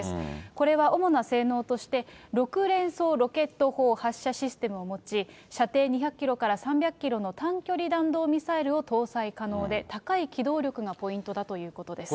これは主な性能として、６連装ロケット砲発射システムを持ち、射程２００キロから３００キロの短距離弾道ミサイルを搭載可能で、高い機動力がポイントだということです。